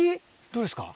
どれですか？